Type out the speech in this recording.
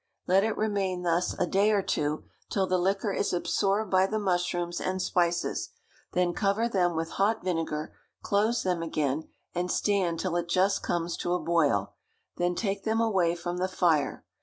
Let it remain thus a day or two, till the liquor is absorbed by the mushrooms and spices; then cover them with hot vinegar, close them again, and stand till it just comes to a boil; then take them away from the fire.